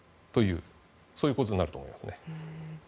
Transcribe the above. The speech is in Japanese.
そういう構図になると思います。